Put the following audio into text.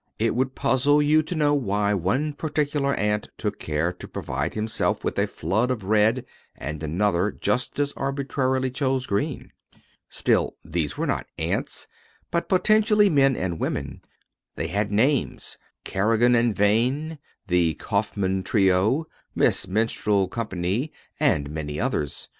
It would puzzle you to know why one particular ant took care to provide himself with a flood of red and another just as arbitrarily chose green. Still, these were not ants but potentially men and women. They had names Kerrigan and Vane, the Kaufman Trio, Miss Minstrel Co. and many others.